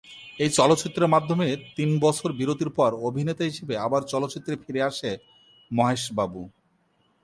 এই চলচ্চিত্রের মাধ্যমে তিন বছর বিরতির পর অভিনেতা হিসেবে আবার চলচ্চিত্রে ফিরে আসে মহেশ বাবু।